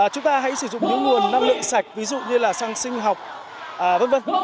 chúng ta hãy sử dụng những nguồn năng lượng sạch ví dụ như là xăng sinh học v v